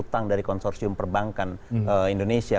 utang dari konsorsium perbankan indonesia